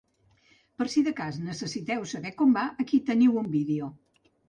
Per si de cas necessiteu saber com va, aquí teniu un vídeo.